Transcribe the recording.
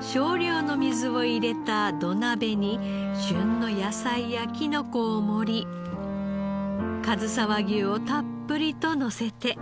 少量の水を入れた土鍋に旬の野菜やきのこを盛りかずさ和牛をたっぷりとのせて。